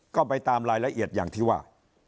ก็ไปตามรายละเอียดอย่างที่ว่า